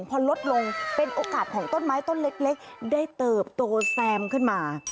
พอลดลงเป็นโอกาสของต้นไม้ต้นเล็กได้เติบโตแซมขึ้นมา